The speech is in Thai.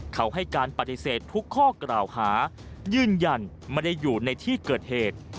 เขาให้การปฏิเสธทุกข้อกล่าวหายืนยันไม่ได้อยู่ในที่เกิดเหตุ